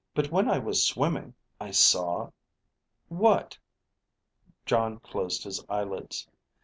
But when I was swimming, I saw...." "What?" Jon closed his eyelids.